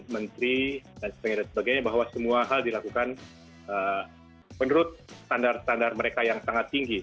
menteri dan sebagainya bahwa semua hal dilakukan menurut standar standar mereka yang sangat tinggi